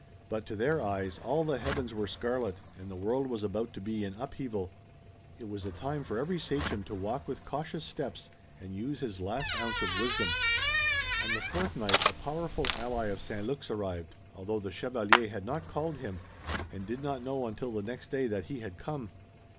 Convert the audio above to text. But, to their eyes, all the heavens were scarlet and the world was about to be in upheaval. It was a time for every sachem to walk with cautious steps and use his last ounce of wisdom. On the fourth night a powerful ally of St. Luc's arrived, although the chevalier had not called him, and did not know until the next day that he had come.